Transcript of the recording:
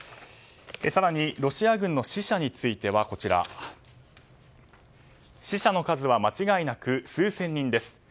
更に、ロシア軍の死者については死者の数は間違いなく数千人です。